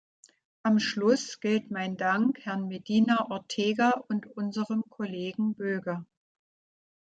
Am Schluss gilt mein Dank Herrn Medina Ortega und unserem Kollegen Böge.